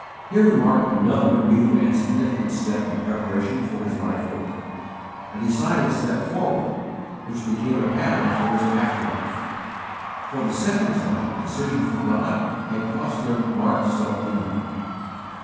Here we mark another new and significant step in preparation for his life work a decided step forward, which became a pattern for his after life. For the second time a _decision for God had cost him marked self denial.